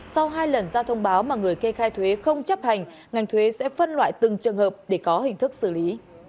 sau hai lần ra thông báo mà người kê khai thuế không chấp hành ngành thuế sẽ phân loại từng trường hợp để có hình thức xử lý